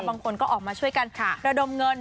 บางคนก็ออกมาช่วยกันระดมเงิน